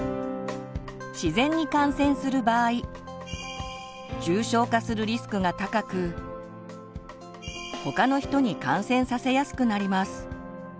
自然に感染する場合重症化するリスクが高く他の人に感染させやすくなります。